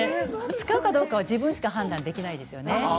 使うかどうかは自分しか判断ができませんよね。